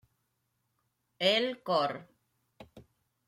El Cor.